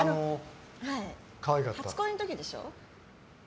「初恋」の時でしょ？